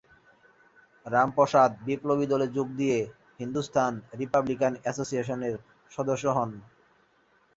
রামপ্রসাদ বিপ্লবী দলে যোগ দিয়ে হিন্দুস্তান রিপাবলিকান এসোসিয়েশনের সদস্য হন।